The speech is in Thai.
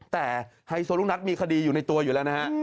แต่ไฮโซลูกนัทมีคดีอยู่ในตัวอยู่แล้วนะฮะ